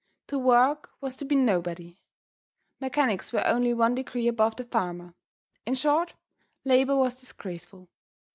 To work was to be nobody. Mechanics were only one degree above the farmer. In short, labor was disgraceful.